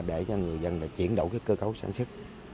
để cho người dân là chuyển đổi cái cơ cấu sản xuất